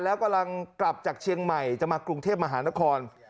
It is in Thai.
แล้วกำลังกลับจากเชียงใหม่จะมากรุงเทพมหานคร